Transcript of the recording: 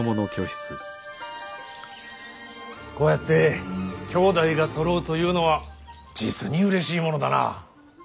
こうやって兄弟がそろうというのは実にうれしいものだな。